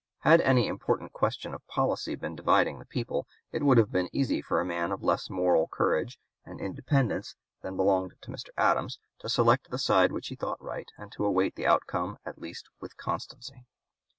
Had any important question of policy been dividing the people, it would have been easy for a man of less moral courage and independence than belonged to Mr. Adams to select the side which he thought right, and to await the outcome at least with constancy.